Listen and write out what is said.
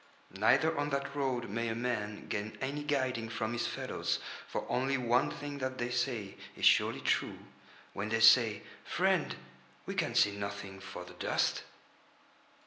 Neither on that road may a man gain any guiding from his fellows, for only one thing that they say is surely true, when they say: "Friend, we can see nothing for the dust."